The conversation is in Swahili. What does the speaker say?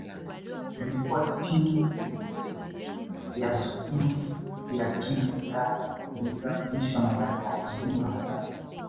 Zilikuwa ni timu ya skuli ya Kiungani iliyoanzishwa na Mwalimu Augostino Ramadhani